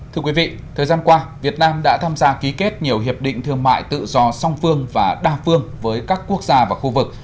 thưa quý vị thời gian qua việt nam đã tham gia ký kết nhiều hiệp định thương mại tự do song phương và đa phương với các quốc gia và khu vực